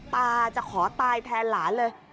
ตาจะขอตายแทนหลานเลย